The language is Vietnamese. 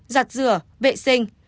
giặt rửa vệ sinh